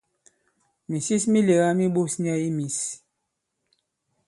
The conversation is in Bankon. Mìsis mi lēgā mi ɓos nyɛ i mīs.